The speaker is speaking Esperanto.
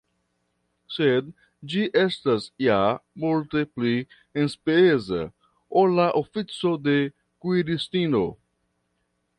Sed ĝi estas ja multe pli enspeza, ol la ofico de kuiristino.